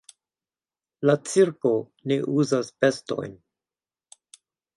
La cirko ne uzas bestojn.